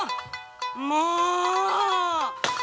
もう！